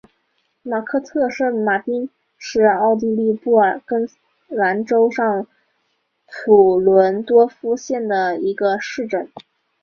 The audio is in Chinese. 马克特圣马丁是奥地利布尔根兰州上普伦多夫县的一个市镇。